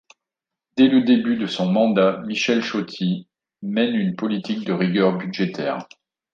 Dès le début de son mandat, Michel Chauty mène une politique de rigueur budgétaire.